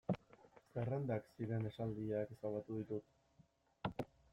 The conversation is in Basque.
Zerrendak ziren esaldiak ezabatu ditut.